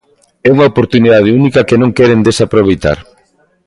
É unha oportunidade única que non queren desaproveitar.